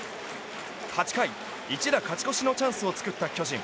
８回、一打勝ち越しのチャンスを作った巨人。